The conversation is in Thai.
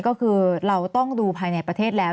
ก็คือเราต้องดูภายในประเทศแล้ว